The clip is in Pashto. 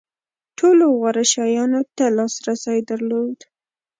ټولو غوره شیانو ته لاسرسی درلود.